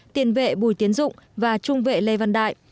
tiền vệ bùi tiến dụng và trung vệ lê văn đại